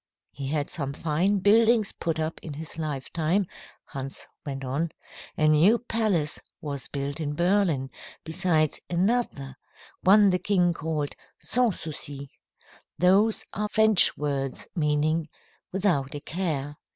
"He had some fine buildings put up in his lifetime," Hans went on. "A new palace was built in Berlin, besides another one the king called 'Sans Souci.' Those are French words meaning, 'Without a Care.'